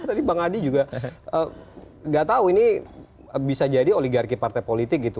tadi bang adi juga nggak tahu ini bisa jadi oligarki partai politik gitu